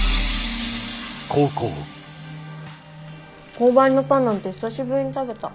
購買のパンなんて久しぶりに食べた。